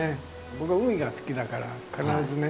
僕は海が好きだから必ずね